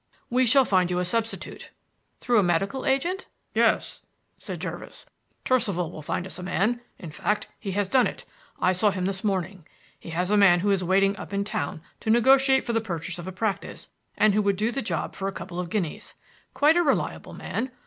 "We shall find you a substitute." "Through a medical agent?" "Yes," said Jervis, "Turcival will find us a man; in fact, he has done it. I saw him this morning; he has a man who is waiting up in town to negotiate for the purchase of a practise and who would do the job for a couple of guineas. Quite a reliable man.